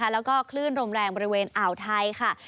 แล้วก็คลื่นลมแรงบริเวณอ่าวไทยค่ะ